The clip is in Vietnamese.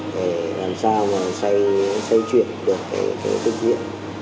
để làm sao mà xây chuyển được cái thực hiện